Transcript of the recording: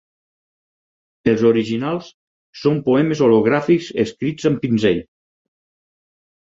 Els originals són poemes hologràfics escrits amb pinzell.